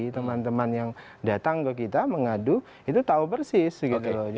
teman teman yang datang ke kita mengadu itu tahu persis gitu loh